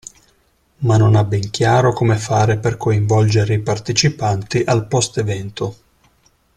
Ma non ha ben chiaro come fare per coinvolgere i partecipanti al post evento.